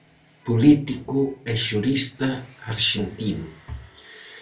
Político e xurista arxentino.